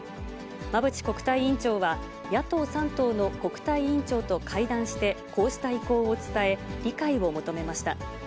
馬淵国対委員長は、野党３党の国対委員長と会談して、こうした意向を伝え、理解を求めました。